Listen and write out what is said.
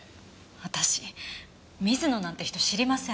私水野なんて人知りません。